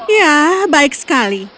ya baik sekali